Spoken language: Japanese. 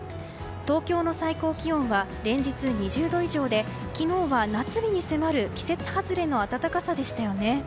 東京の最高気温は連日、２０度以上で昨日は夏日に迫る季節外れの暖かさでしたよね。